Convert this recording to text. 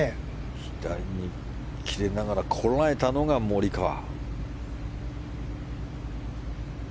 左に切れながらこらえたのが、モリカワ。